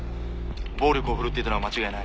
暴力を振るっていたのは間違いない。